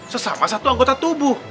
sesama satu anggota tubuh